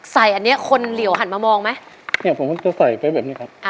อันเนี้ยคนเหลี่ยวหันมามองไหมเนี่ยผมก็จะใส่ไปแบบนี้ครับอ่า